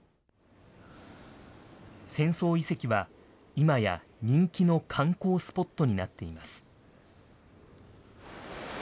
戦争遺跡はいまや人気の観光スポットになっています。